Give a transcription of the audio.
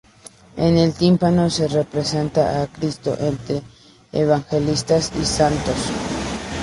En el tímpano, se representa a Cristo entre evangelistas y santos.